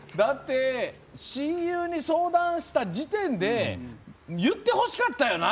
親友に相談した時点で言ってほしかったよな！